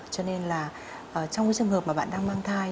cho nên là trong trường hợp bạn đang mang thai